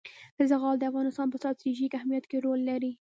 زغال د افغانستان په ستراتیژیک اهمیت کې رول لري.